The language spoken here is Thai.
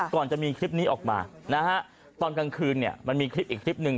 ก่อนจะมีคลิปนี้ออกมานะฮะตอนกลางคืนเนี่ยมันมีคลิปอีกคลิปหนึ่ง